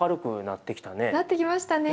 なってきましたね。